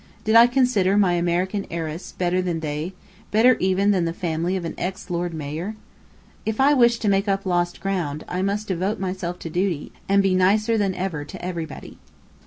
Did I consider my American heiress better than they, better even than the family of an ex Lord Mayor? If I wished to make up lost ground, I must devote myself to duty, and be nicer than ever to everybody.